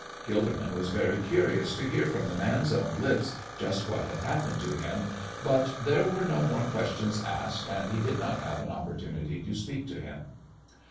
Gilderman was very curious to hear from the man's own lips just what had happened to him, but there were no more questions asked, and he did not have an opportunity to speak to him.